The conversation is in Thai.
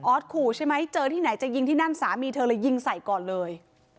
ขู่ใช่ไหมเจอที่ไหนจะยิงที่นั่นสามีเธอเลยยิงใส่ก่อนเลย